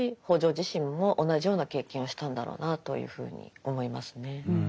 自身も同じような経験をしたんだろうなというふうに思いますね。